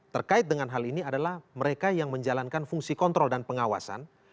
terkait dengan hal ini adalah mereka yang menjalankan fungsi kontrol dan pengawasan